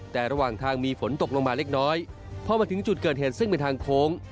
แต่ระหว่างทางมีฝนตกลงมาเล็กน้อยพอมาถึงจุดเกิดเหตุซึ่งเป็นทางโค้ง